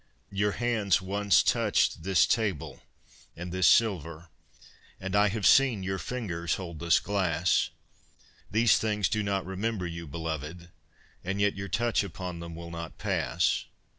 Your hands once touched this table and this silver, And I have seen your fingers hold this glass. These things do not remember you, belovËd, And yet your touch upon them will not pass.